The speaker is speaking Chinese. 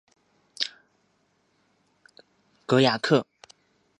戈雅克。